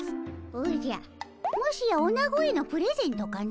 おじゃもしやおなごへのプレゼントかの？